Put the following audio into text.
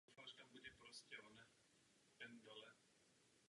Protože to jednoduše není pravda.